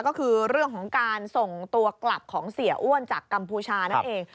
ก็คือเรื่องของการส่งตัวกลับของเสียอ้วนจากกัมพูชานั่นเอง